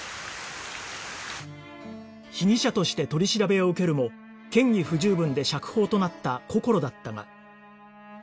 被疑者として取り調べを受けるも嫌疑不十分で釈放となったこころだったが